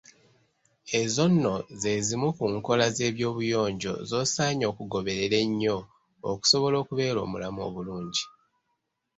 Ezo nno ze zimu ku nkola z'ebyobuyonjo z'osaanye okugoberera ennyo okusobola okubeera omulamu obulungi